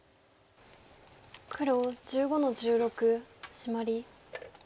黒１５の十六シマリ。